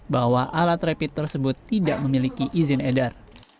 bahwa alat rapid tersebut tidak memiliki izin edar